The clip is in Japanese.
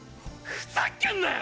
ふざけんなよ！